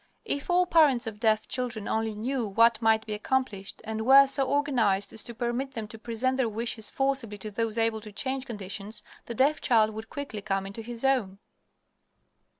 If all parents of deaf children only knew what might be accomplished, and were so organized as to permit them to present their wishes forcibly to those able to change conditions, the deaf child would quickly come into his own.